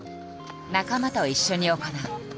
仲間と一緒に行う。